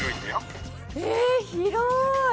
え広い！